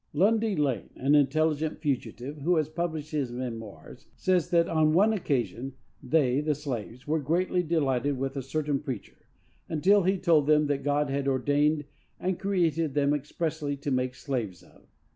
Lundy Lane, an intelligent fugitive who has published his memoirs, says that on one occasion they (the slaves) were greatly delighted with a certain preacher, until he told them that God had ordained and created them expressly to make slaves of.